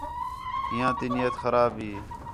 ہِیّاں تی نیت خراب ہی